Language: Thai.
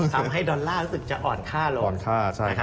ทำให้ดอลลาร์รู้สึกอ่อนค่าลง